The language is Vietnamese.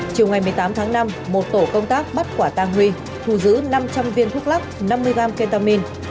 chiều ngày một mươi tám tháng năm một tổ công tác bắt quả tàng huy thù giữ năm trăm linh viên thuốc lắc năm mươi g ketamine